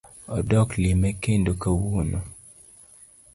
Odok lime kendo kawuono